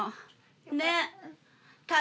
ねっ？